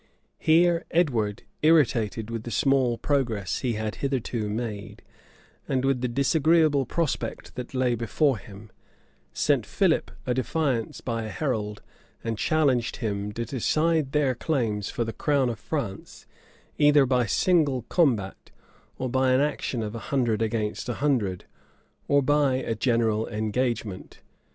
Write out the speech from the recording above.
Here Edward, irritated with the small progress he had hitherto made, and with the disagreeable prospect that lay before him, sent Philip a defiance by a herald and challenged him to decide their claims for the crown of France either by single combat, or by an action of a hundred against a hundred, or by a general engagement.